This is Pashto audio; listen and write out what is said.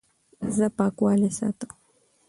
زه پاکوالی ساتم.